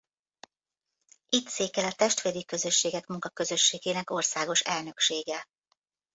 Itt székel a Testvéri Közösségek Munkaközösségének országos elnöksége.